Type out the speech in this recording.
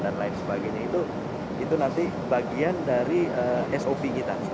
dan lain sebagainya itu nanti bagian dari sop kita